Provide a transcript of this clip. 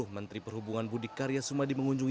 menteri perhubungan budi karya sumadi mengunjungi